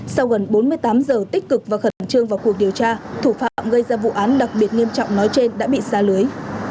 sau gần bốn mươi tám giờ tích cực và khẩn trương vào cuộc điều tra thủ phạm gây ra vụ án đặc biệt nghiêm trọng nói trên đã bị xa lưới